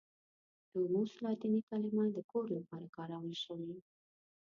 دوموس لاتیني کلمه د کور لپاره کارول شوې.